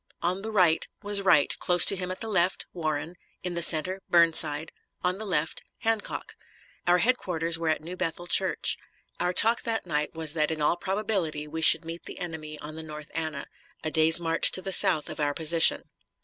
On the right was Wright; close to him at the left, Warren; in the center, Burnside; on the left, Hancock. Our headquarters were at New Bethel Church. Our talk that night was that in all probability we should meet the enemy on the North Anna, a day's march to the south of our position.